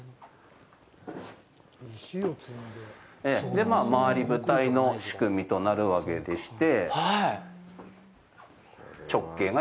で、まあ、回り舞台の仕組みとなるわけでして。